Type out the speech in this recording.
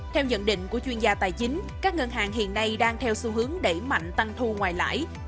theo nhận định của chuyên gia tài chính các ngân hàng hiện nay đang theo xu hướng đẩy mạnh tăng thu ngoài lãi